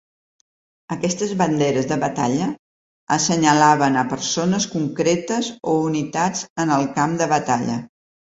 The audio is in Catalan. Aquestes banderes de batalla assenyalaven a persones concretes o unitats en el camp de batalla.